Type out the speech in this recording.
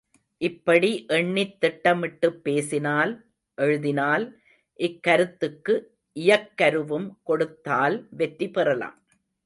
இப்படி எண்ணித் திட்டமிட்டுப் பேசினால், எழுதினால், இக்கருத்துக்கு இயக்கருவும் கொடுத்தால் வெற்றி பெறலாம்.